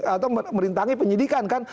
atau merintangi penyidikan kan